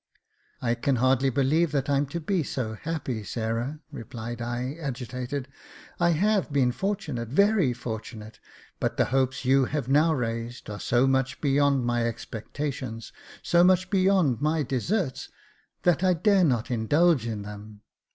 "I can hardly believe that I'm to be so happy, Sarah," replied I, agitated. I have been fortunate, very fortunate; but the hopes you have now raised are so much beyond my expectations — so much beyond my deserts — that I dare not indulge in them.